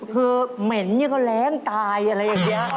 คือเหม็นนี่ก็แรงตายอะไรอย่างนี้